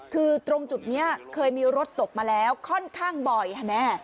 คือตรงจุดนี้เคยมีรถตกมาแล้วค่อนข้างบ่อยค่ะแน่